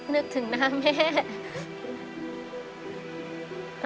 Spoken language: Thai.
นึกถึงหน้าแม่